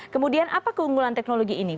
kemudian apa keunggulan teknologi ini